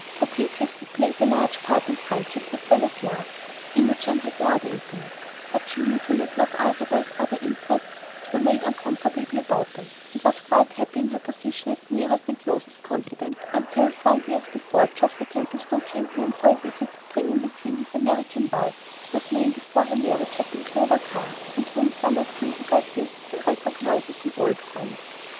Propinquity plays a large part in friendship as well as love. Imogen had no other intimate, but she knew too little of Isabel's other interests to be made uncomfortable about them, and was quite happy in her position as nearest and closest confidante until, four years before, Geoffrey Templestowe came home for a visit, bringing with him his American wife, whose name before her marriage had been Clover Carr, and whom some of you who read this will recognize as an old friend.